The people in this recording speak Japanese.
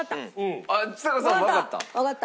ちさ子さんもわかった？